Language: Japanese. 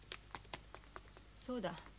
そうだ